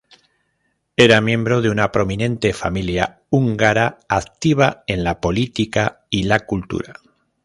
Era miembro de una prominente familia húngara activa en la política y la cultura.